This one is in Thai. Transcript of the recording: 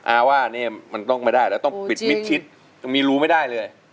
อาว่าเนี่ยมันต้องไม่ได้แล้วต้องปิดมิดชิดมีรูไม่ได้เลย